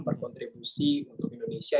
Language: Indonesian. berkontribusi untuk indonesia